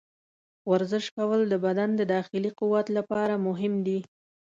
ورزش کول د بدن د داخلي قوت لپاره مهم دي.